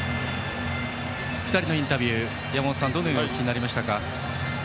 ２人のインタビュー山本さん、どのようにお聞きになりましたか？